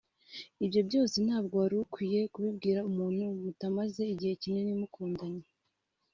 ibyo byose ntabwo warukwiye kubibwira umuntu mutamaze igihe kinini mukundanye